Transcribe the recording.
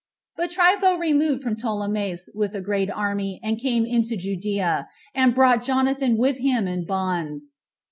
5. But Trypho removed from Ptolemais with a great army, and came into Judea, and brought Jonathan with him in bonds.